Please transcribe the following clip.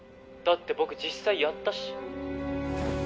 だって僕実際やったし」